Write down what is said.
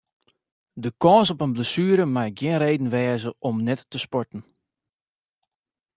De kâns op in blessuere mei gjin reden wêze om net te sporten.